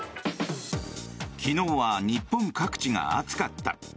昨日は日本各地が暑かった。